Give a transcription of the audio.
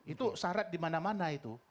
itu syarat dimana mana itu